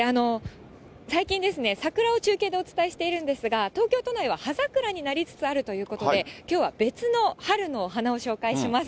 最近ですね、桜を中継でお伝えしているんですが、東京都内は葉桜になりつつあるということで、きょうは別の春の花を紹介します。